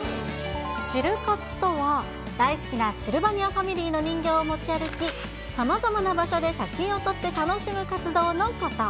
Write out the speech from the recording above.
シル活とは、大好きなシルバニアファミリーの人形を持ち歩き、さまざまな場所で写真を撮って楽しむ活動のこと。